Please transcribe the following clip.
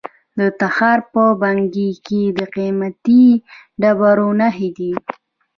د تخار په بنګي کې د قیمتي ډبرو نښې دي.